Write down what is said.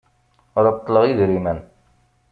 Reṭṭleɣ idrimen.